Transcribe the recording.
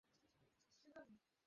ঠিক আছে, তোমরা কে?